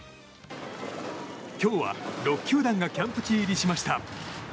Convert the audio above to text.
今日は６球団がキャンプ地入りしました。